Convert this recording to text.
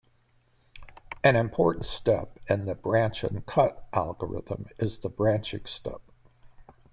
An important step in the branch and cut algorithm is the branching step.